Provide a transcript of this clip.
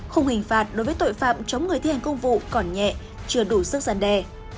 khung hình phạt đối với tội phạm chống người thi hành công vụ còn nhẹ chưa đủ sức gian đe